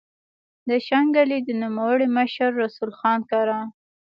د شانګلې د نوموړي مشر رسول خان کره